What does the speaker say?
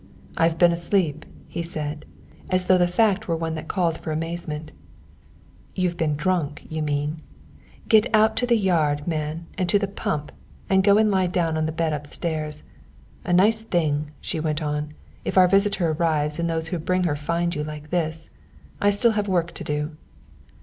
"I've been asleep," he said, as though the fact were one that called for amazement. "You've been drunk, you mean. Get out to the yard, man, and to the pump, and go and lie down on the bed up stairs. A nice thing," she went on, "if our visitor arrives and those who bring her find you like this. I still have work to do."